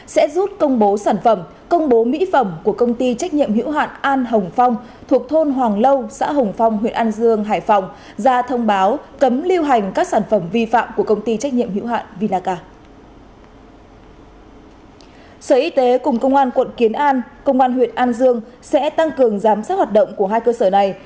sẽ tăng cường giám sát hoạt động của hai cơ sở này